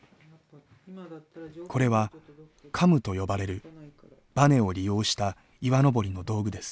これは「カム」と呼ばれるバネを利用した岩登りの道具です。